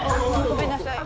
ごめんなさい。